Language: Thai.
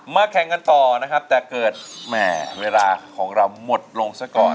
แข่งกันต่อนะครับแต่เกิดแหม่เวลาของเราหมดลงซะก่อน